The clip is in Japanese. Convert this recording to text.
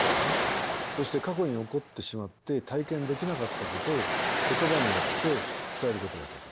そして過去に起こってしまって体験できなかったことを言葉によって伝えることができる。